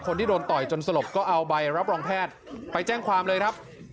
คนที่โดนต่อยจนสลบก็เอาใบรับรองแพทย์ไปแจ้งความเลยครับ